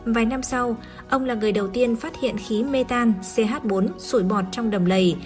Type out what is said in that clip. vài năm sau ông là người đầu tiên phát hiện khí mê tan ch bốn sủi bọt trong đầm lầy